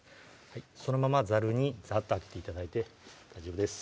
このままざるにザッとあけて頂いて大丈夫です